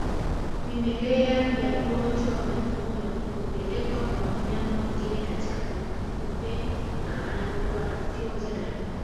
Vimelea vya ugonjwa wa majimoyo hupelekwa kwa mnyama mwingine wakati kupe anapokuwa anafyonza damu